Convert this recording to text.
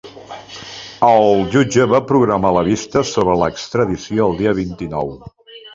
El jutge va programar la vista sobre l’extradició el dia vint-i-nou.